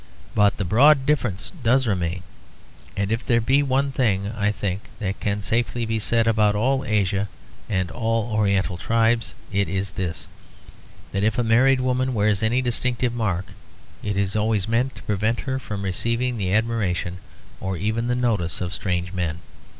But the broad difference does remain. And if there be one thing, I think, that can safely be said about all Asia and all oriental tribes, it is this; that if a married woman wears any distinctive mark, it is always meant to prevent her from receiving the admiration or even the notice of strange men.